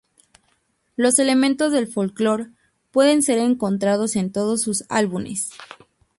Los elementos de folklore pueden ser encontrados en todos sus álbumes.